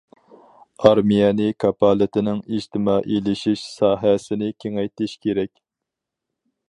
ئارمىيەنى كاپالىتىنىڭ ئىجتىمائىيلىشىش ساھەسىنى كېڭەيتىش كېرەك.